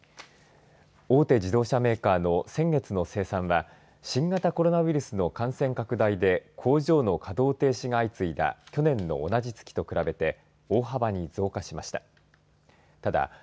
大手自動車メーカーの先月の生産は新型コロナウイルスの感染拡大で工場の稼働停止が相次いだ去年の同じ月と比べて大幅に増加しました。